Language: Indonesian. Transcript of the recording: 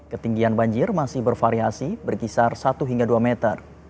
ketinggian banjir masih bervariasi berkisar satu hingga dua meter